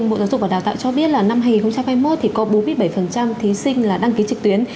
bộ giáo dục và đào tạo cho biết là năm hai nghìn hai mươi một thì có bốn mươi bảy thí sinh là đăng ký trực tuyến